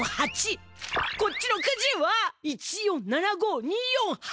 こっちのくじは１４７５２４８。